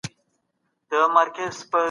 هیڅوک باید په تاریخ کې درواغ ونه وایي.